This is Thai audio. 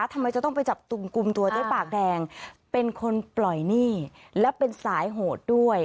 ทำไมจะต้องไปจับกลุ่มตัวเจ๊ปากแดงเป็นคนปล่อยหนี้และเป็นสายโหดด้วย